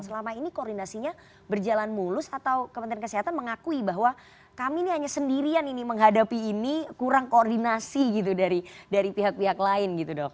selama ini koordinasinya berjalan mulus atau kementerian kesehatan mengakui bahwa kami ini hanya sendirian ini menghadapi ini kurang koordinasi gitu dari pihak pihak lain gitu dok